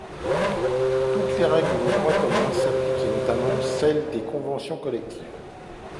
Toutes les règles de droit commun s'appliquent et notamment celle des conventions collectives.